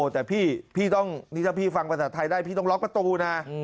แต่นี่ถ้าพี่ฟังภาษาไทยได้พี่ต้องล๊อคประตู